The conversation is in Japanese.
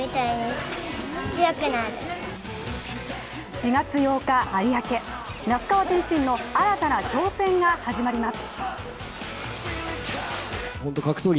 ４月８日有明、那須川天心の新たな挑戦が始まります。